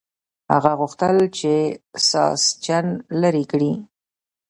هغه غوښتل چې ساسچن لرې کړي.